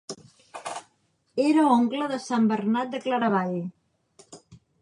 Era oncle de Sant Bernat de Claravall.